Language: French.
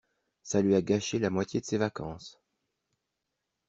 ça lui a gâché la moitié de ses vacances.